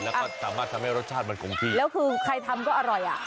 แล้วก็สามารถทำให้รสชาติมันคงที่แล้วคือใครทำก็อร่อยอ่ะ